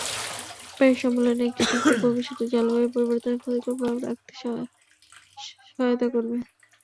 Paris সম্মেলনে একটি চুক্তি ভবিষ্যতে জলবায়ু পরিবর্তনের ক্ষতিকর প্রভাব রুখতে সহায়তা করবে।